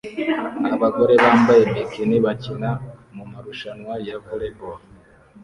Abagore bambaye bikini bakina mumarushanwa ya volley ball